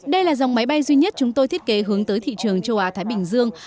đây là dòng máy bay duy nhất chúng tôi thiết kế hướng tới thị trường châu á thái bình dương